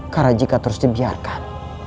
karena jika terus dibiarkan